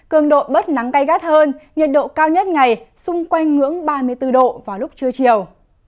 cường độ bớt nắng cay gắt hơn nhiệt độ cao nhất ngày xung quanh ngưỡng ba mươi bốn độ vào lúc trưa chiều